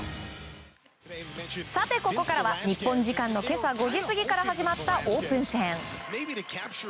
さて、ここからは日本時間の今朝５時過ぎから始まったオープン戦。